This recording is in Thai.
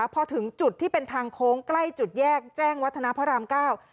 พอถึงจุดที่เป็นทางโค้งใกล้จุดแยกแจ้งวัฒนาพระรามเก้า